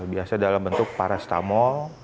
biasanya dalam bentuk parastamo